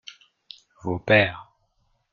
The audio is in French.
vos pères.